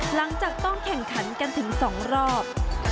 หลังจากต้องแข่งขันกันถึง๒รอบ